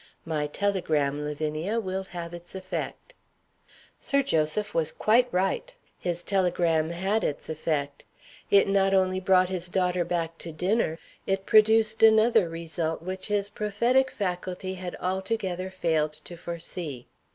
"My telegram, Lavinia, will have its effect." Sir Joseph was quite right. His telegram had its effect. It not only brought his daughter back to dinner it produced another result which his prophetic faculty had altogether failed to foresee.